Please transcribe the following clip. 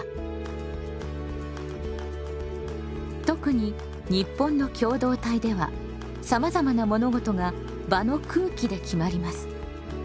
特に日本の共同体ではさまざまな物事が場の空気で決まります。